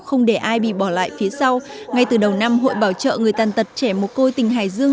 không để ai bị bỏ lại phía sau ngay từ đầu năm hội bảo trợ người tàn tật trẻ mồ côi tỉnh hải dương